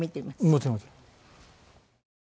もちろんもちろん。